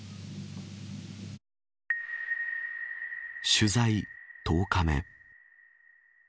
取材１０日目。